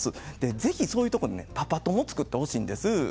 ぜひ、そういうところでパパ友を作ってほしいんです。